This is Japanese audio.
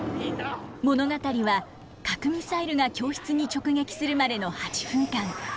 物語は核ミサイルが教室に直撃するまでの８分間。